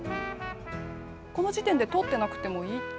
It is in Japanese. この時点で通ってなくてもいいんですか。